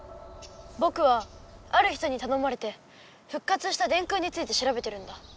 ぼくはある人にたのまれてふっ活した電空についてしらべてるんだ。